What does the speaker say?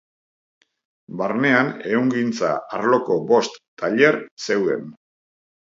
Barnean ehungintza arloko bost tailer zeuden.